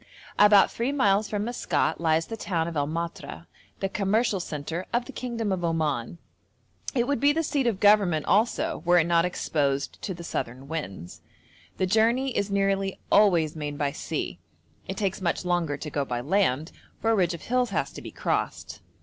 About three miles from Maskat lies the town of El Matra, the commercial centre of the kingdom of Oman. It would be the seat of government also were it not exposed to the southern winds. The journey is nearly always made by sea; it takes much longer to go by land, for a ridge of hills has to be crossed.